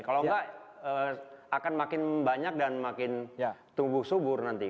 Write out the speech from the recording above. kalau enggak akan makin banyak dan makin tumbuh subur nanti